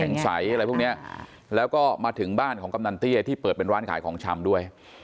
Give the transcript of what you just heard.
ใสอะไรพวกเนี้ยแล้วก็มาถึงบ้านของกำนันเตี้ยที่เปิดเป็นร้านขายของชำด้วย